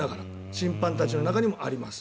審判たちの中にもあります。